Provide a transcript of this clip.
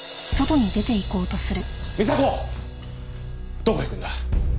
どこ行くんだ？